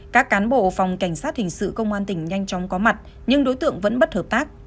các cán bộ phòng cảnh sát hình sự công an tỉnh nhanh chóng có mặt nhưng đối tượng vẫn bất hợp tác